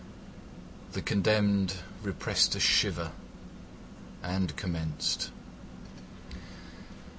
The condemned repressed a shiver and commenced.